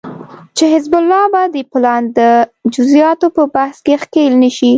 چې حزب الله به د پلان د جزياتو په بحث کې ښکېل نشي